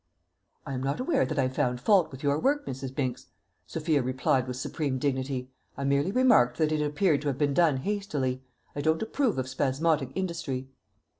"I am not aware that I found fault with your work, Mrs. Binks," Sophia replied with supreme dignity; "I merely remarked that it appeared to have been done hastily. I don't approve of spasmodic industry."